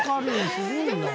すごいなあ。